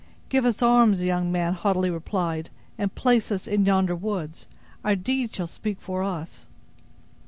"Give us arms," the young man haughtily replied, "and place us in yonder woods. Our deeds shall speak for us!"